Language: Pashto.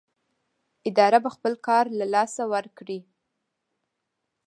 اداره به خپل کار له لاسه ورکړي.